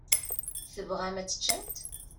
Tebɣam ad teččemt?